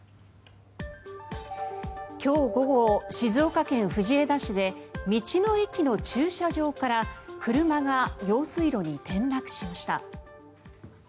今日午後、静岡県藤枝市で道の駅の駐車場から車が用水路に転落しました。